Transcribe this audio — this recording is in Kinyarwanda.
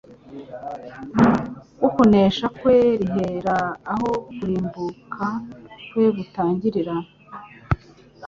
wo kunesha Kwe rihera aho kurimbuka kwe gutangirira,